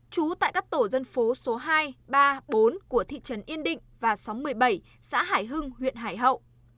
trú tại các tổ dân phố số hai ba bốn của thị trấn yên định và xóm một mươi bảy xã hải hưng huyện hải hậu